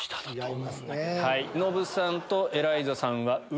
ノブさんとエライザさんは上？